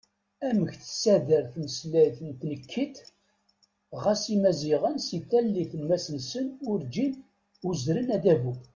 Amek tessader tmeslayt d tnekkit ɣas Imaziɣen, si tallit n Masnsen, urǧin uzren adabu!